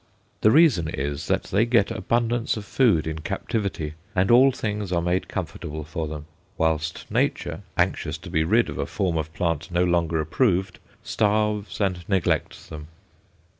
The reason is that they get abundance of food in captivity, and all things are made comfortable for them; whilst Nature, anxious to be rid of a form of plant no longer approved, starves and neglects them.